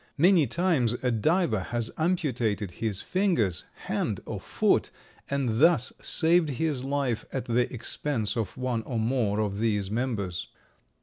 Many times a diver has amputated his fingers, hand or foot, and thus saved his life at the expense of one or more of these members.